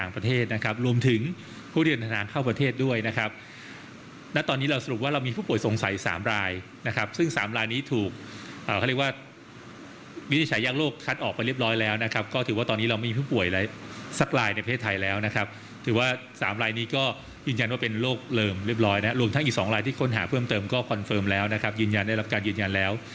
ปัญหาเพิ่มเติมก็คอนเฟิร์มแล้วนะครับยืนยันได้รับการยืนยันแล้ว